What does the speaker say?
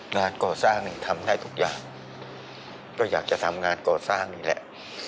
งานก่อสร้างนี่ทำได้ทุกอย่างก็อยากจะทำงานก่อสร้างนี่แหละ